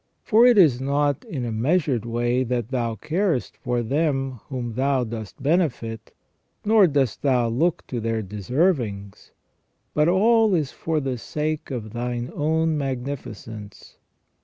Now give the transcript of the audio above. For it is not in a measured way that Thou carest for them whom Thou dost benefit, nor dost Thou look to their deservings, but all is for the sake of Thine own magnifi cence.